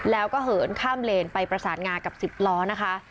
แล้วก็เหินข้ามเลนไปประสานงากับ๑๐ล้อนะคะ